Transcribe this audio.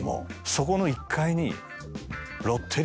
そこの１階に。